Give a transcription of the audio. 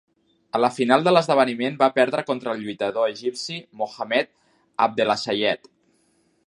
A la final de l'esdeveniment va perdre contra el lluitador egipci Mohamed Abdelsayed.